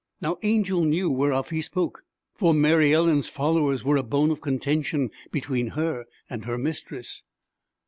Now Angel knew whereof he spoke, for Mary Ellen's 'followers' were a bone of contention between her and her mistress.